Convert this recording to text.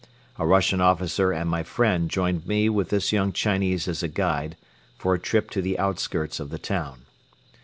A Russian officer and my friend joined me with this young Chinese as a guide for a trip to the outskirts of the town.